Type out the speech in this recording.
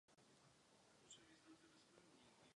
O rok později byl zadržen za porušení této podmínky.